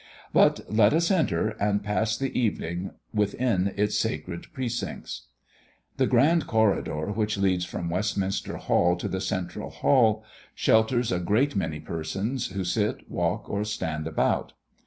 But let us enter, and pass the evening within its sacred precincts. The grand corridor, which leads from Westminster hall to the Central Hall shelters a great many persons, who sit, walk, or stand about.